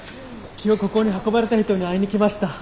今日ここに運ばれた人に会いに来ました。